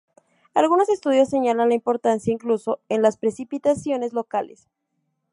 Algunos estudios señalan la importancia, incluso en las precipitaciones locales.